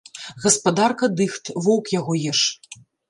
Гаспадарка дыхт, воўк яго еш.